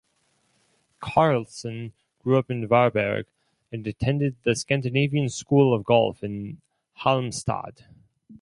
Carlsson grew up in Varberg and attended the Scandinavian School of Golf in Halmstad.